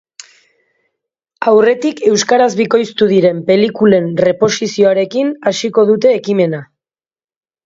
Aurretik euskaraz bikoiztu diren pelikulen reposizioarekin hasiko dute ekimena.